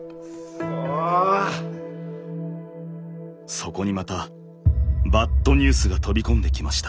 そこにまたバッドニュースが飛び込んできました。